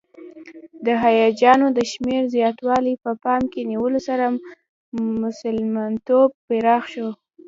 د حاجیانو د شمېر د زیاتوالي په پام کې نیولو سره میلمستون پراخ شو.